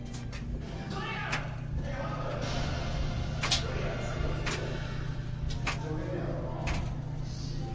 ドリアンさっき映ってたやんすごっ